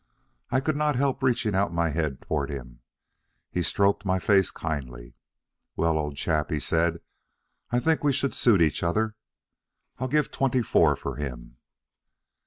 I could not help reaching out my head toward him. He stroked my face kindly. "Well, old chap," he said, "I think we should suit each other. I'll give twenty four for him."